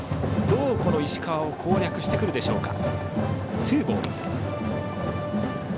どうこの石川を攻略してくるか。